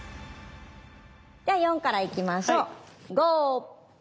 では４からいきましょう。